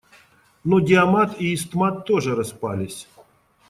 Но диамат и истмат тоже распались.